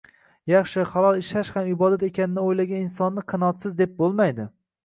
yaxshi, halol ishlash ham ibodat ekanini o'ylagan insonni qanoatsiz deb bo'lmaydi.